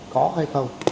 có hay không